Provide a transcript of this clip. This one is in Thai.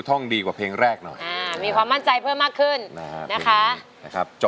ถูกนะ